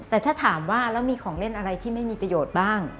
แต่ถ้าถามว่าแล้วมีของเล่นอะไรที่ไม่มีประโยชน์บ้าง